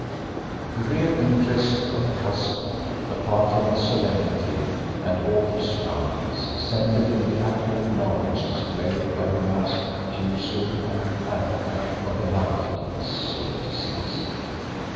The real interest of the custom, apart from its solemnity and awful surroundings, centred in the accurate knowledge displayed by the masked Accuser and Advocate of the life deeds of the deceased.